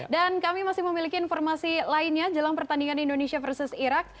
kami masih memiliki informasi lainnya jelang pertandingan indonesia versus irak